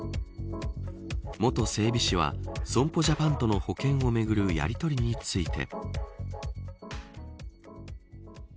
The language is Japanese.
元整備士は損保ジャパンとの保険をめぐるやりとりについて。